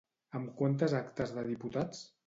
Amb quantes actes de diputats?